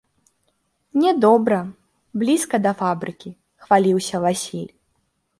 — Мне добра: блізка да фабрыкі, — хваліўся Васіль.